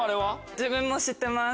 自分も知ってます。